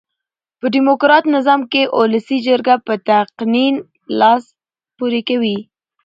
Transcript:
په ډیموکرات نظام کښي اولسي جرګه په تقنين لاس پوري کوي.